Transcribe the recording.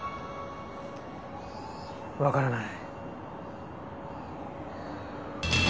わからない。